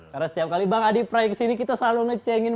karena setiap kali bang adipra kesini kita selalu ngecengin